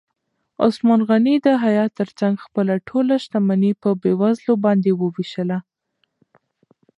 عثمان غني د حیا تر څنګ خپله ټوله شتمني په بېوزلو باندې ووېشله.